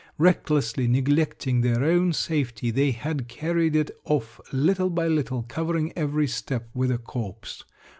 Recklessly neglecting their own safety, they had carried it off little by little, covering every step with a corpse.